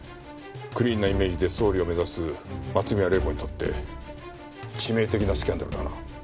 クリーンなイメージで総理を目指す松宮玲子にとって致命的なスキャンダルだな。